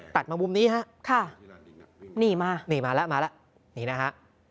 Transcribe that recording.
ตัดมามุมนี้ฮะค่ะนี่มานี่มาแล้วมาแล้วนี่นะฮะ